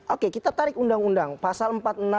oke kita tarik undang undang pasal